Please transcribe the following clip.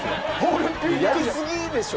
やりすぎでしょ。